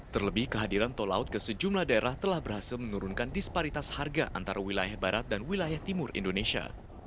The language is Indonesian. terlebih kehadiran tol laut ke sejumlah daerah telah berhasil menurunkan disparitas harga antara wilayah barat dan wilayah timur indonesia